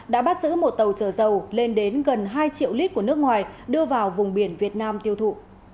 đã bắt giữ một tàu chở dầu lên đến gần hai triệu lít của nước ngoài đưa vào vùng biển việt nam tiêu thụ